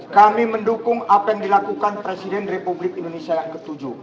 kami mendukung apa yang dilakukan presiden republik indonesia yang ke tujuh